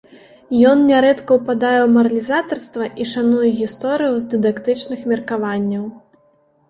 Ён нярэдка ўпадае ў маралізатарства і шануе гісторыю з дыдактычных меркаванняў.